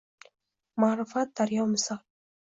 Maʼrifati daryo misol